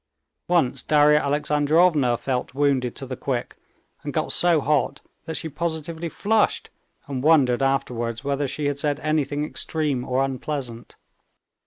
Once Darya Alexandrovna felt wounded to the quick, and got so hot that she positively flushed and wondered afterwards whether she had said anything extreme or unpleasant.